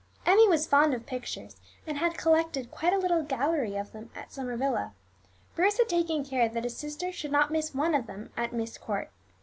Emmie was fond of pictures, and had collected quite a little gallery of them at Summer Villa. Bruce had taken care that his sister should not miss one of them at Myst Court.